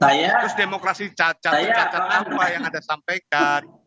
fokus demokrasi cacat cacat apa yang anda sampaikan